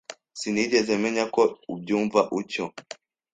Sinigeze menya ko ubyumva utyo.